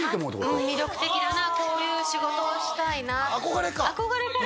うん魅力的だなこういう仕事をしたいな憧れか？